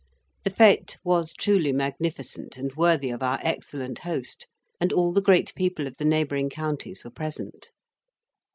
The fete was truly magnificent, and worthy of our excellent host; and all the great people of the neighbouring counties were present.